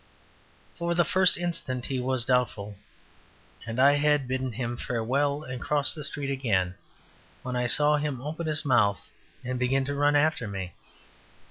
For the first instant he was doubtful; and I had bidden him farewell, and crossed the street again, when I saw him open his mouth and begin to run after me.